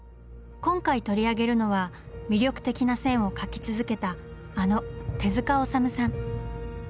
今回取り上げるのは魅力的な線を描き続けたあの手治虫さん。